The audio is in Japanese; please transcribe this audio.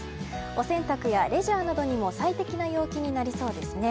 お洗濯やレジャーなどにも最適な陽気になりそうです。